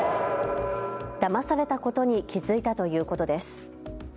だまされたことに気付いたということです。